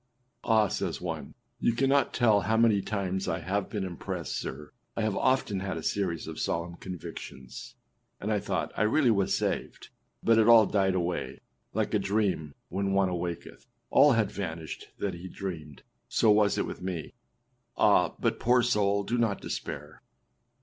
â âAh!â says one, âyou cannot tell how many times I have been impressed, sir, I have often had a series of solemn convictions, and I thought 1 really was saved, but it all died away; like a dream, when one awaketh, all hath vanished that he dreamed, so was it with me.â Ah! but poor soul, do not despair.